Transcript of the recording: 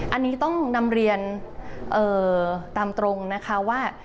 อันนี้ต้องนำเรียนตามตรงนะคะว่า